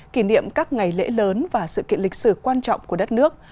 kỷ niệm các ngày lễ lớn và sự kiện lịch sử quan trọng của đất nước